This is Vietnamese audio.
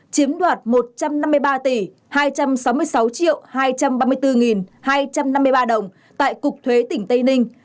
chiếm đoạt một trăm năm mươi ba tỷ hai trăm sáu mươi sáu hai trăm ba mươi bốn hai trăm năm mươi ba đồng tại cục thuế tỉnh tây ninh